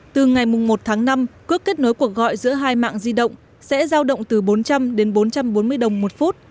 từ ngày một tháng năm cước kết nối cuộc gọi giữa hai mạng di động sẽ giao động từ bốn trăm linh đến bốn trăm bốn mươi đồng một phút